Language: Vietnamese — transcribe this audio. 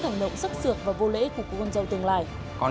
khổ như nào con cũng chấp nhận